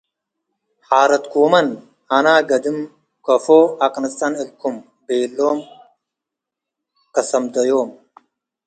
ሓረድኩመን፡ አነ ገድም ከአፎ አቅንጸ'ን እልኩም" ቤሎ'"ም ከሰምደዮም።